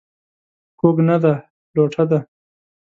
کوږ نه دى ، لوټه ده.